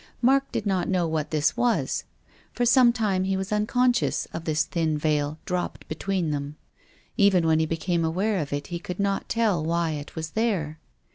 Mark did not know what this was. For some time he was unconscious of this thin veil dropped between them. Even when he became aware of it he could not tell why it was there.